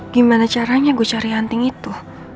gimana caranya gue cari hunting itu